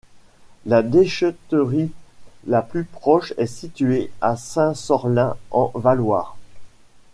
La déchetterie la plus proche est située à Saint-Sorlin-en-Valloire.